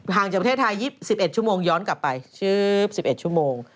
จากประเทศไทย๒๑ชั่วโมงย้อนกลับไปชืบ๑๑ชั่วโมง